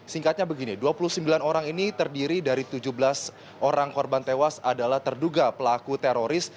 singkatnya begini dua puluh sembilan orang ini terdiri dari tujuh belas orang korban tewas adalah terduga pelaku teroris